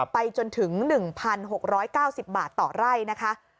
ไปจนถึง๑๖๙๐บาทต่อไร่นะคะ